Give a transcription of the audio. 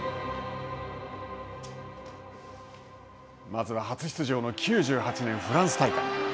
まずは初出場の９８年フランス大会。